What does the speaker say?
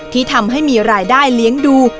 ที่ทำให้มีรายได้เลี้ยงดู